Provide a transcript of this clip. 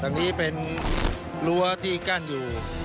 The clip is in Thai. อันนี้เป็นรั้วที่กั้นอยู่